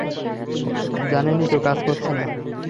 জানেনই তো কাজ করছে না।